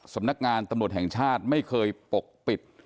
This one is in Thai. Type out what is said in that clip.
สำนักงานตำรวจแห่งชาติไม่เคยปกปิด